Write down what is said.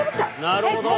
なるほど。